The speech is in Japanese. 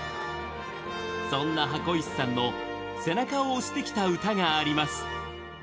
そんな箱石さんの背中を押してきた歌があります。